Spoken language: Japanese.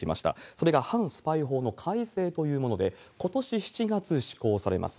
それが反スパイ法の改正というもので、ことし７月施行されます。